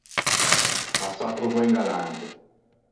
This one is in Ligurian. A s’à attrovou un galante.